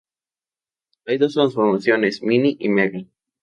Hay dos transformaciones, Mini y Mega.